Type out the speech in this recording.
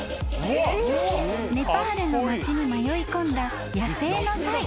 ［ネパールの町に迷いこんだ野生のサイ］